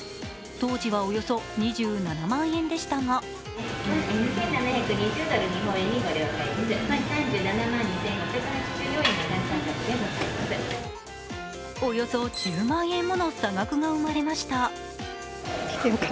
当時はおよそ２７万円でしたがおよそ１０万円もの差額が生まれました。